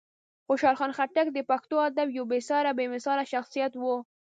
خوشحال خان خټک د پښتو ادب یو بېساری او بېمثاله شخصیت و.